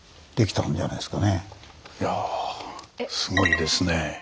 いやぁすごいですね。